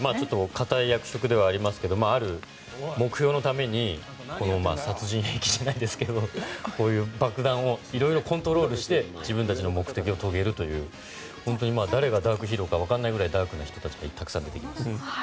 堅い役職ではありますがある目標のために殺人兵器じゃないですけどこういう爆弾をいろいろコントロールして自分たちの目的を遂げるという本当に誰がダークヒーローか分からないぐらいダークな人たちがたくさん出てきます。